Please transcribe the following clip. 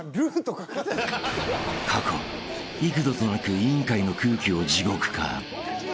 ［過去幾度となく『委員会』の空気を地獄化］